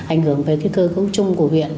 ảnh hưởng với cơ cấu chung của viện